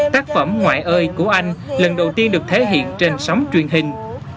tác phẩm ngoại ơi của anh lần đầu tiên được thể hiện trên sóng truyền hình